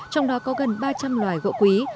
trong đó có gần ba trăm linh loài cây